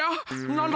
なんだ？